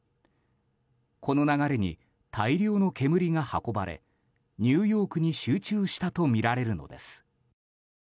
この流れに大量の煙が運ばれニューヨークに集中したとみられるのです。